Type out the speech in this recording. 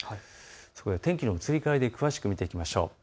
そこで天気の移り変わりで詳しく見ていきましょう。